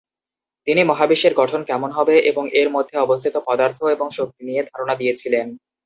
তিনি মহাবিশ্বের গঠন কেমন হবে এবং এর মধ্যে অবস্থিত পদার্থ এবং শক্তি নিয়ে ধারণা দিয়েছিলেন।